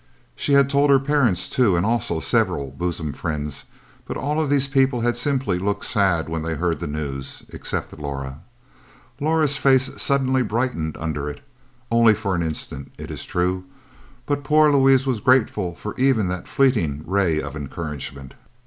She had told her parents, too, and also several bosom friends; but all of these people had simply looked sad when they heard the news, except Laura. Laura's face suddenly brightened under it only for an instant, it is true, but poor Louise was grateful for even that fleeting ray of encouragement.